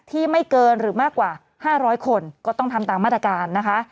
ไม่เกินหรือมากกว่า๕๐๐คนก็ต้องทำตามมาตรการนะคะ